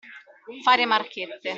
Fare marchette.